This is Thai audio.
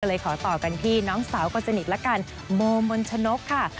เลยขอต่อกันที่น้องสาวคนสนิทละกันโมมนชนกค่ะ